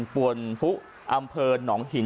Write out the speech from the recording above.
ปวนฟุอำเภอหนองหิน